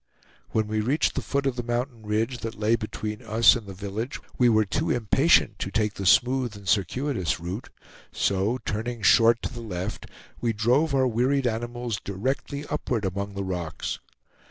When we reached the foot of the mountain ridge that lay between us and the village, we were too impatient to take the smooth and circuitous route; so turning short to the left, we drove our wearied animals directly upward among the rocks.